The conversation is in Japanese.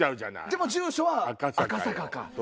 でも住所は赤坂か。